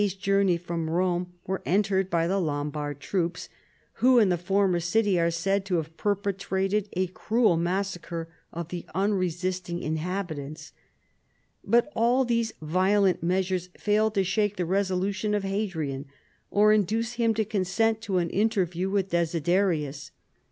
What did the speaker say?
121 Blera and Otriculum, not a clay's journey from Rome, were entered by the Lombard troops, who in the former city are said to have perpetrated a cruel mas sacre of the unresisting inhabitants. But all these violent measures failed to shake the resolution of Hadrian or induce him to consent to an interview with Desiderius.